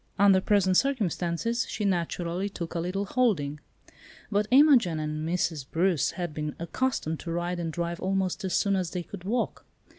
Under present circumstances, she naturally took a little holding. But Imogen and Mrs. Bruce had been accustomed to ride and drive almost as soon as they could walk.